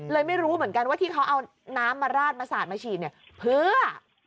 ไม่รู้เหมือนกันว่าที่เขาเอาน้ำมาราดมาสาดมาฉีดเนี่ยเพื่อ